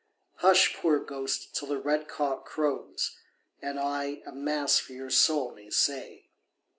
"Hush, poor ghost, till the red cock crows, And I a Mass for your soul may say."